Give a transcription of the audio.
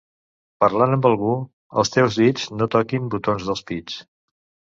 Parlant amb algú, els teus dits no toquin botons dels pits.